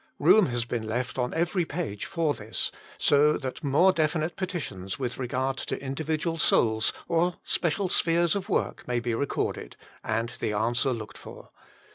Room has been left on every page for this, so that more definite petitions with regard to indi vidual souls or special spheres of work may be recorded, and the answer looked for.